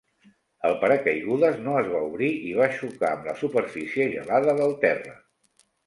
El paracaigudes no es va obrir i va xocar amb la superfície gelada del terra.